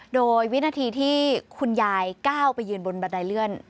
โดยวินาทีที่คุณยายก้าวไปยืนบนบันไดเลื่อน